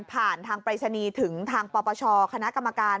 ผ่านทางปริศนีถึงทางประประชาคณะกรรมการ